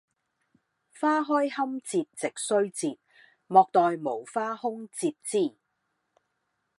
花開堪折直須折，莫待無花空折枝！